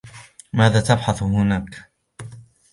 ماذا تبحث هناك ؟